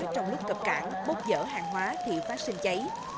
trong lúc cập cảng bốc dở hàng hóa thì phát sinh cháy